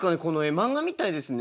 漫画みたいですね。